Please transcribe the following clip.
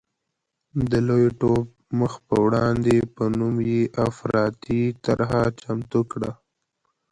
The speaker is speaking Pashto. د لوی ټوپ مخ په وړاندې په نوم یې افراطي طرحه چمتو کړه.